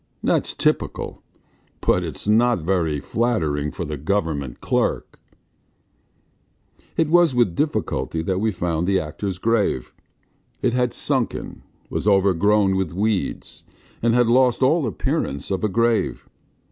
... That's typical, but it's not very flattering for the government clerk." It was with difficulty that we found the actor's grave. It had sunken, was overgrown with weeds, and had lost all appearance of a grave.